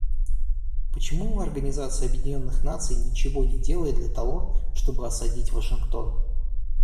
Почему Организация Объединенных Наций ничего не делает для того, чтобы осадить Вашингтон?